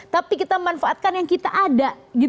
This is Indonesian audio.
tapi kita manfaatkan yang kita ada